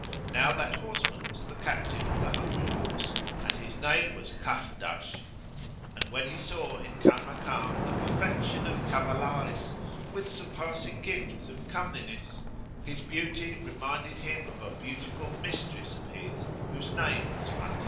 Now that horseman was the captain of the hundred horse, and his name was Kahrdash; and when he saw in Kanmakan the perfection of cavalarice with surpassing gifts of comeliness, his beauty reminded him of a beautiful mistress of his whose name was Fátin.